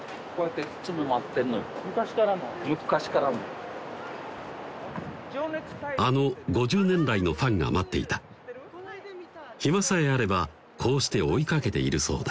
昔からの昔からのあの５０年来のファンが待っていた暇さえあればこうして追いかけているそうだ